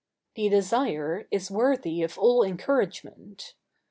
] The desire is worthy of all encouragement.